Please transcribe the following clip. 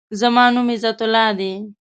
زما نوم عزت الله دی.